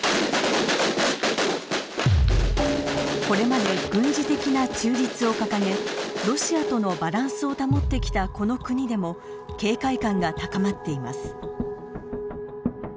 これまで軍事的な中立を掲げロシアとのバランスを保ってきたこの国でも警戒感が高まっています。